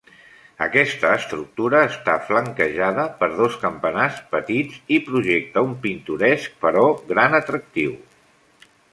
Aquesta estructura està flanquejada per dos campanars petits i projecta un pintoresc però gran atractiu.